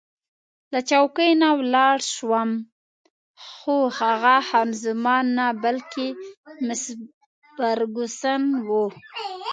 له چوکۍ نه راولاړ شوم، خو هغه خان زمان نه، بلکې مس فرګوسن وه.